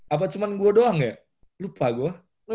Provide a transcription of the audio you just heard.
apa cuma gue doang ya lupa gue